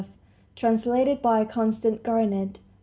Translated by Constance Garnett.